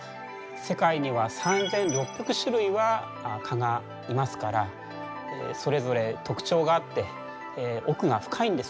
世界には３，６００種類は蚊がいますからそれぞれ特徴があって奥が深いんですよ。